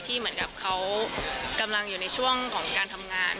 เหมือนกับเขากำลังอยู่ในช่วงของการทำงาน